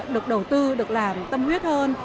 được đầu tư được làm tâm huyết hơn